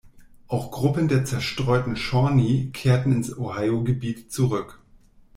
Auch Gruppen der zerstreuten Shawnee kehrten ins Ohiogebiet zurück.